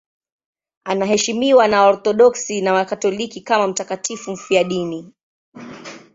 Anaheshimiwa na Waorthodoksi na Wakatoliki kama mtakatifu mfiadini.